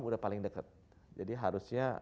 sudah paling dekat jadi harusnya